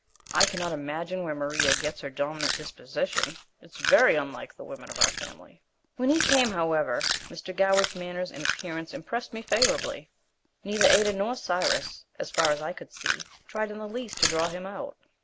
I cannot imagine where Maria gets her dominant disposition. It is very unlike the women of our family. When he came, however, Mr. Goward's manners and appearance impressed me favorably. Neither Ada nor Cyrus, as far as I could see, tried in the least to draw him out.